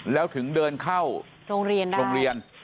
แล้วถึงเดินเข้าโรงเรียน